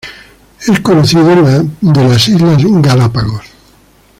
Es conocido de las Islas Galápagos.